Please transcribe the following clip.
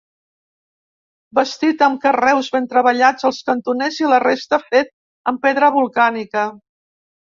Bastit amb carreus ben treballats als cantoners i la resta fet amb pedra volcànica.